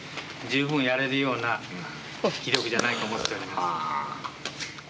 十分やれるような棋力じゃないかと思っております。